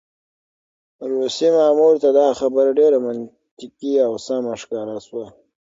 روسي مامور ته دا خبره ډېره منطقي او سمه ښکاره شوه.